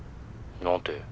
何て？